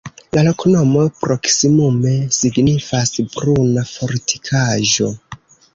La loknomo proksimume signifas: pruna-fortikaĵo.